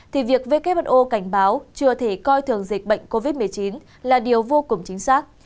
thì việc who cảnh báo chưa thể coi thường dịch bệnh covid một mươi chín là điều vô cùng chính xác